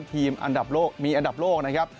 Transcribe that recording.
ทีมอันดับโลกมีอันดับโลกนะครับ